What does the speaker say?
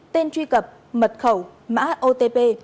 tên truy cập mật khẩu mã otp